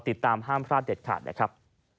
ติดตามห้ามพลาดเด็ดขาดนะครับ